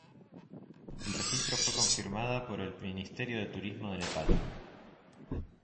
El registro fue confirmada por el Ministerio de Turismo de Nepal.